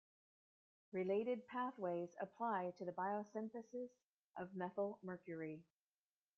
Related pathways apply to the biosynthesis of methylmercury.